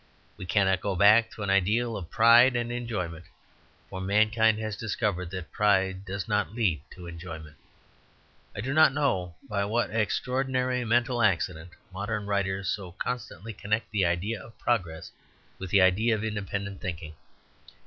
We cannot go back to an ideal of pride and enjoyment. For mankind has discovered that pride does not lead to enjoyment. I do not know by what extraordinary mental accident modern writers so constantly connect the idea of progress with the idea of independent thinking.